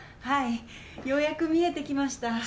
はいようやく見えてきました。